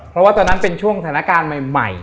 เพราะว่าตอนนั้นเป็นช่วงสถานการณ์ใหม่